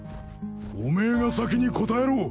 お前が先に答えろ！